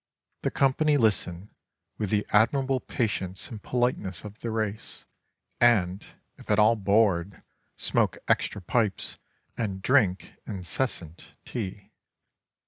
The company listen, with the admirable patience and politeness of the race; and, if at all bored, smoke extra pipes and drink incessant tea.